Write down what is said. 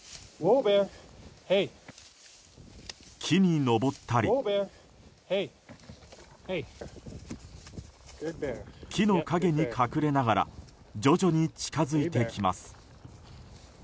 木に登ったり木の陰に隠れながら徐々に近づいてきます。